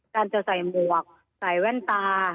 การจะใส่หมวกใส่แว่นตา